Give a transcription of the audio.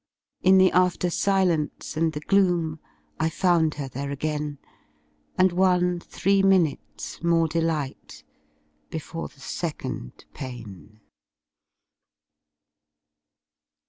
In the after silence and the gloom I found her there again. And won three minutes more delight Before the second pain.